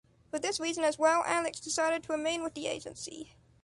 For this reason as well, Alex decided to remain with the Agency.